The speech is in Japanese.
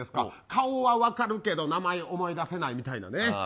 顔は分かるけど名前思い出せないみたいな。